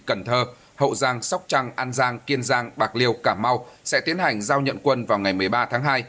cần thơ hậu giang sóc trăng an giang kiên giang bạc liêu cảm mau sẽ tiến hành giao nhận quân vào ngày một mươi ba tháng hai